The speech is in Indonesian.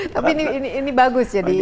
tapi ini bagus